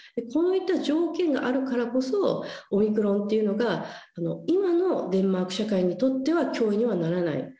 こういった条件があるからこそ、オミクロンっていうのが、今のデンマーク社会にとっては脅威にはならない。